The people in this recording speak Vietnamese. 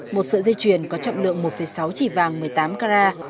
một sợi dây chuyền có trọng lượng một sáu chỉ vàng một mươi tám carat